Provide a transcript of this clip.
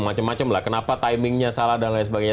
macem macem lah kenapa timingnya salah dan lain sebagainya